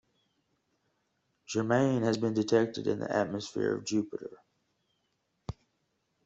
Germane has been detected in the atmosphere of Jupiter.